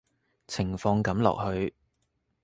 情況噉落去